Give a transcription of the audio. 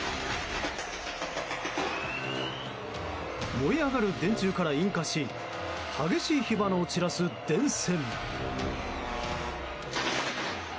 燃え上がる電柱から引火し激しい火花を散らす電線。